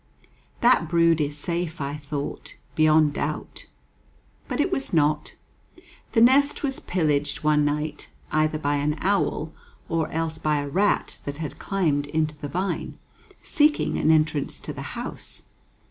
That brood is safe, I thought, beyond doubt. But it was not: the nest was pillaged one night, either by an owl, or else by a rat that had climbed into the vine, seeking an entrance to the house.